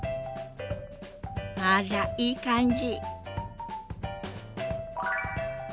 あらいい感じ。